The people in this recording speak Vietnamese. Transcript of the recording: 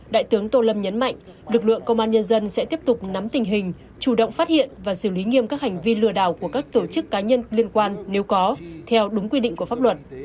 đại tướng tô lâm nhấn mạnh lực lượng công an nhân dân sẽ tiếp tục nắm tình hình chủ động phát hiện và xử lý nghiêm các hành vi lừa đảo của các tổ chức cá nhân liên quan nếu có theo đúng quy định của pháp luật